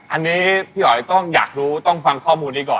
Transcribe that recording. อันนี้พี่หอยต้องฟังข้อมูลที่ก่อน